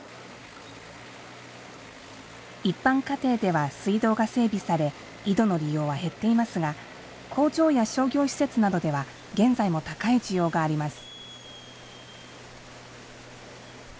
一般家庭では水道が整備され井戸の利用は減っていますが工場や商業施設などでは現在も高い需要があります。